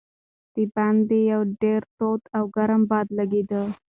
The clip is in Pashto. د باندې یو ډېر تود او ګرم باد لګېده.